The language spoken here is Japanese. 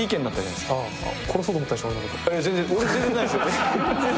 いや全然俺全然ないですよ。